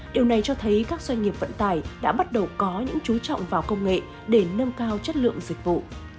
điều này cho thấy các doanh nghiệp vận tải đã bắt đầu có những chú trọng vào công nghệ để nâng cao chất lượng dịch vụ